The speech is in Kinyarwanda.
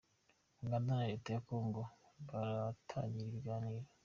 Uganda na Leta ya kongo baratangira ibiganiro